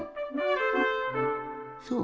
そう。